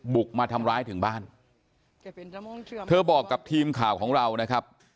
บุกมาทำร้ายถึงบ้านเธอบอกกับทีมข่าวของเรานะครับ